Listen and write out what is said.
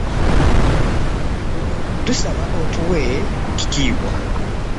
Tusaba otuwe ku kitiibwa.